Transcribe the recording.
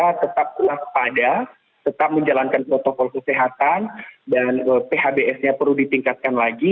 masyarakat indonesia tetap telah sepada tetap menjalankan protokol kesehatan dan phbs nya perlu ditingkatkan lagi